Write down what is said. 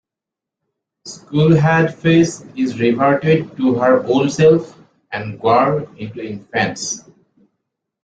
Skulhedface is reverted to her old self, and Gwar into infants.